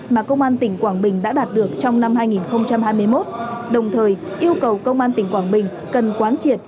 mà công an tỉnh quảng bình đã đạt được trong năm hai nghìn hai mươi một đồng thời yêu cầu công an tỉnh quảng bình cần quán triệt